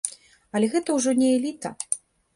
Але гэта ўжо не эліта.